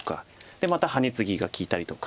でまたハネツギが利いたりとか。